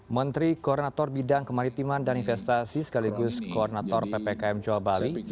menteri koordinator bidang kemaritiman dan investasi sekaligus koordinator ppkm jawa bali